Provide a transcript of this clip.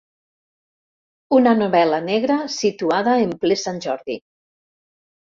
Una novel·la negra situada en ple Sant Jordi.